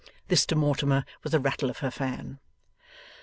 This to Mortimer, with a rattle of her fan.